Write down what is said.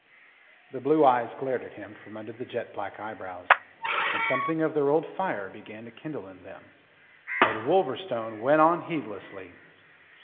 The blue eyes glared at him from under the jet black eyebrows, and something of their old fire began to kindle in them. But Wolverstone went on heedlessly.